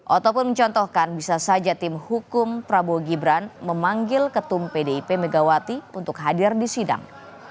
oto pun mencontohkan bisa saja tim hukum prabowo gibran memanggil ketum pdip megawati untuk hadir di sidang